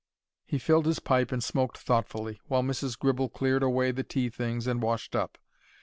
He filled his pipe and smoked thoughtfully, while Mrs. Gribble cleared away the tea things and washed up.